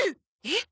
えっ？